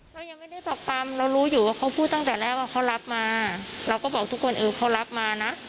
เรายังไม่ได้ปรับปรำเรารู้อยู่ว่าเขาพูดตั้งแต่แรกว่าเขารับมาเราก็บอกทุกคนเออเขารับมานะ